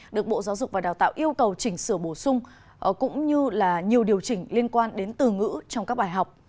được bộ giáo dục và đào tạo yêu cầu chỉnh sửa bổ sung cũng như là nhiều điều chỉnh liên quan đến từ ngữ trong các bài học